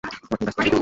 ও এখন ব্যস্ত আছে।